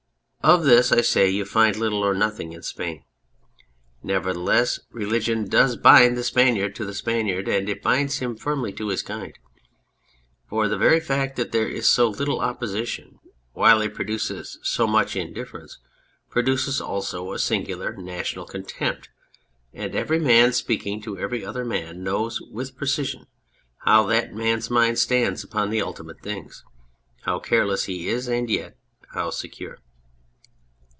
Of this, I say, you find little or nothing in Spain ; nevertheless, religion does bind 232 The Spaniard the Spaniard to the Spaniard, and it binds him firmly to his kind. For the very fact that there is so little opposition, while it produces so much in difference, produces also a singular national contempt ; and every man speaking to every other man knows with precision how that man's mind stands upon the ultimate things, how careless he is and yet how secure.